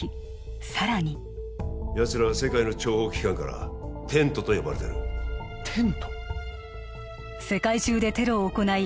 更にやつらは世界の諜報機関からテントと呼ばれてるテント世界中でテロを行い